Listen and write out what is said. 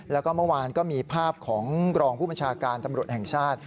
แล้วก็เมื่อวานก็มีภาพของรองผู้บัญชาการตำรวจแห่งชาติ